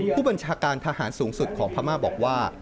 ผู้บัญชาการทหารสูงสุดของพม่าบอกว่า